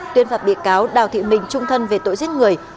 tuyên phạt bị cáo đào thị mình trung thân về tội giết người